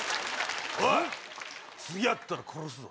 おい次会ったら殺すぞ。